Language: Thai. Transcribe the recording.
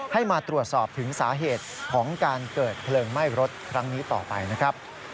ให้มาตรวจสอบถึงสาเหตุของการเกิดเพลิงไหม้รถครั้งนี้ต่อไปนะครับ